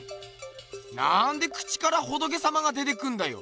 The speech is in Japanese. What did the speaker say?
なんで口から仏様が出てくんだよ。